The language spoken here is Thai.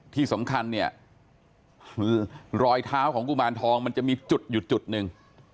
ที่สำคัญเนี่ยรอยเท้าของกุมารทองมันจะมีจุดอยู่จุดหนึ่ง